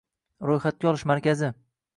Ro‘yxatga olish markazi